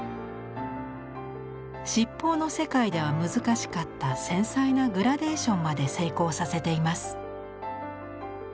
七宝の世界では難しかった繊細なグラデーションまで成功させています。